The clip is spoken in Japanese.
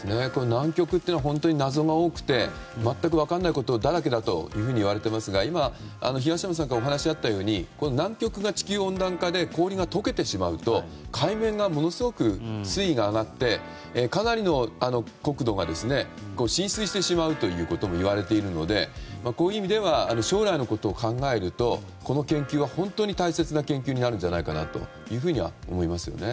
南極というのは本当に謎が多くて全く分からないことだらけだといわれていますが今、東山さんからお話があったように南極が地球温暖化で氷が解けてしまうと海面がものすごく水位が上がってかなりの国土が浸水してしまうともいわれているのでこういう意味では将来のことを考えるとこの研究は本当に大切な研究になるんじゃないかと思いますよね。